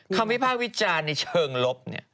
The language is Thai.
คำวิพากษ์วิจารณ์ในเชิงลบ